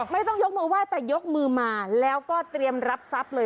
ไม่ต้องยกมือไห้แต่ยกมือมาแล้วก็เตรียมรับทรัพย์เลย